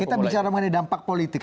kita bicara mengenai dampak politik